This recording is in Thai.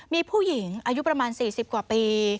มีผู้หญิงอายุประมาณ๔๐กว่าปี